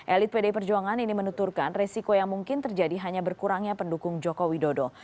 elit pd perjuangan ini menuturkan resiko yang mungkin terjadi hanya berkurangnya pendukung jokowi dodo